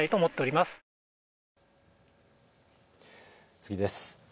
次です。